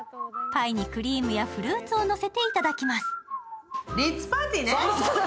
パイにクリームやフルーツをのせて頂きます。